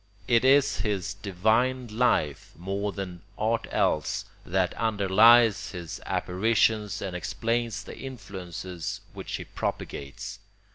It is his divine life, more than aught else, that underlies his apparitions and explains the influences which he propagates.